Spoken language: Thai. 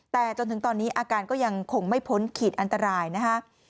แต่จนถึงตอนนี้อาการก็ยังคงไม่พ้นขีดอันตรายนะคะ